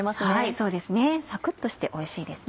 そうですねサクっとしておいしいです。